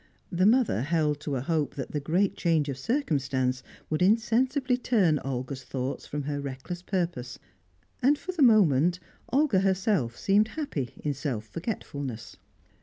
The mother held to a hope that the great change of circumstance would insensibly turn Olga's thoughts from her reckless purpose; and, for the moment, Olga herself seemed happy in self forgetfulness.